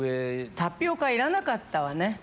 タピオカいらなかったわね。